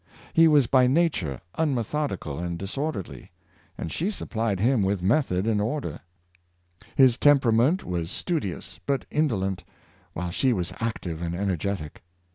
He was by nature unmethodical and disorderly, and she supplied him with Woman as a Fellow worker, 577 method and order. His temperament was studious but indolent, while she was active and energetic.